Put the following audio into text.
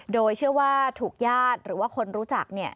โดยเชื่อว่าถูกญาติหรือว่าคนรู้จัก